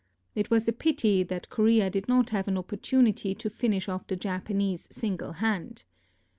It was a pity that Korea did not have an opportunity to finish off the Japanese single hand.